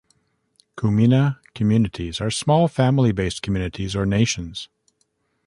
Kumina communities are small family based communities or nations.